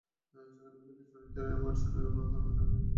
সেখানে বেলের চরিত্রে এমা ওয়াটসনের নতুন রূপ দেখে চমকে গেছেন অনেকেই।